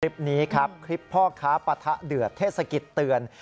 คลิปนี้ครับคลิปพ่อค้าปะทะเดือดเทศกิจเตือน